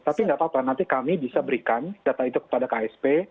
tapi nggak apa apa nanti kami bisa berikan data itu kepada ksp